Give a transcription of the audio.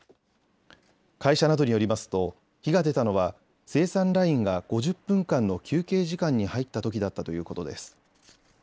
会社などによりますと火が出たのは生産ラインが５０分間の休憩時間に入ったときだったということです。